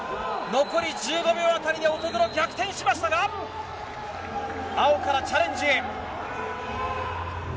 残り１５秒辺りで乙黒、逆転しましたが青からチャレンジへ。